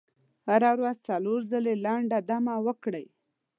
هره ورځ څلور ځلې لنډه دمه وکړئ.